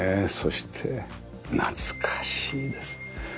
そして懐かしいです。